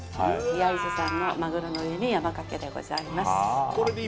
焼津産のマグロの上に山かけでございます